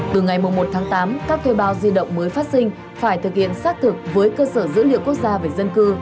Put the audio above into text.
từ ngày một tháng tám các thuê bao di động mới phát sinh phải thực hiện xác thực với cơ sở dữ liệu quốc gia về dân cư